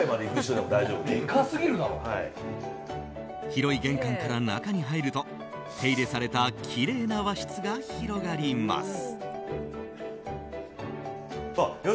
広い玄関から中に入ると手入れされたきれいな和室が広がります。